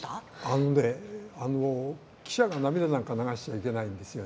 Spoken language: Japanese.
あのね記者が涙なんか流しちゃいけないんですよね。